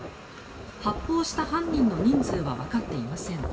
発砲した犯人の人数はわかっていません。